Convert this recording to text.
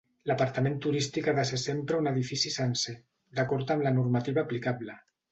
L'apartament turístic ha de ser sempre un edifici sencer, d'acord amb la normativa aplicable.